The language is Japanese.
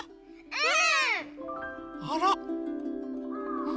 うん。